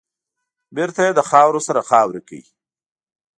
بېرته يې له خاورو سره خاورې کړ .